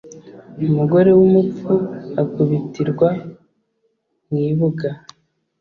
Umugore w’umupfu akubitirwa ku ibuga.